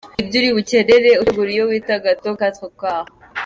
Dore ibyo uri bukenere utegura iyo twita “Gateau Quatre-quarts”:.